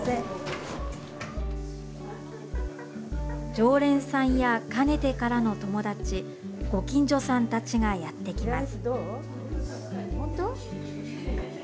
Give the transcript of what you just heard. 常連さんやかねてからの友達ご近所さんたちがやってきます。